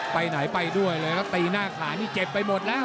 ไปไหนไปด้วยเลยแล้วตีหน้าขานี่เจ็บไปหมดแล้ว